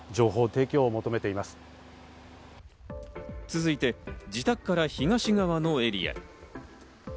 続いて、自宅から東側のエリア。